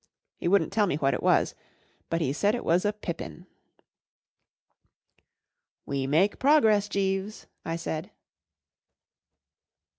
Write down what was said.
He wouldn't tell me what it was, but he said it was a pippin. M We make progress, Jeeves/' I said.